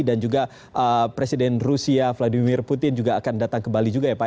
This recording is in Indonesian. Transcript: dan juga presiden rusia vladimir putin juga akan datang ke bali juga ya pak ya